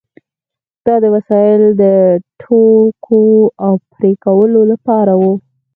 دا وسایل د ټکولو او پرې کولو لپاره وو.